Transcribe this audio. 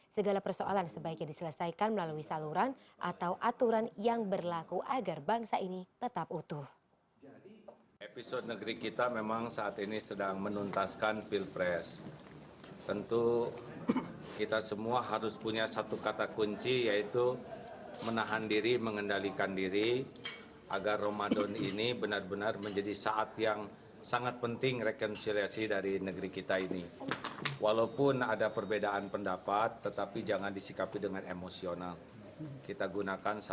segala persoalan sebaiknya diselesaikan melalui saluran atau aturan yang berlaku agar bangsa ini tetap utuh